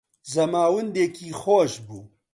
زەماوندێکی خۆش بوو